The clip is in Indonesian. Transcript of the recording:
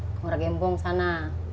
ke ngurah gembong sana